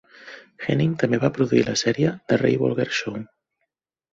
Henning també va produir la sèrie "The Ray Bolger Show".